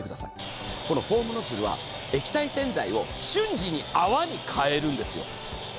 このフォームノズルは液体洗剤を瞬時に泡に変えるんですよ。